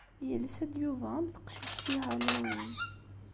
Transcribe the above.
Yelsa-d Yuba am teqcict i Halloween.